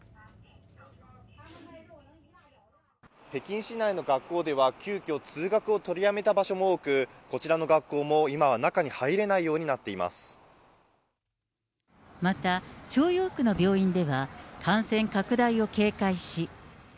北京市内の学校では、急きょ、通学を取りやめた場所も多く、こちらの学校も、今は中に入れないまた、ちょうよう区の病院では、感染拡大を警戒し。